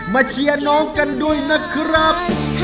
เชียร์น้องกันด้วยนะครับ